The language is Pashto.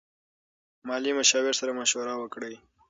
مالي مشاور سره مشوره وکړئ.